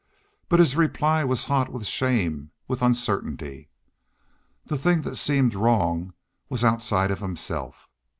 But his reply was hot with shame, with uncertainty. The thing that seemed wrong was outside of himself.